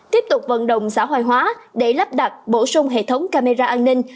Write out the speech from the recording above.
tiếp tục vận động xã hoài hóa để lắp đặt bổ sung hệ thống camera an ninh